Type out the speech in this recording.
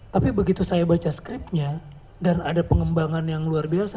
tapi begitu saya baca skriptnya dan ada pengembangan yang luar biasa